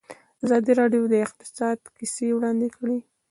ازادي راډیو د اقتصاد کیسې وړاندې کړي.